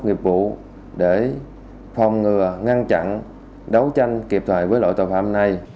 nghiệp vụ để phòng ngừa ngăn chặn đấu tranh kịp thời với loại tội phạm này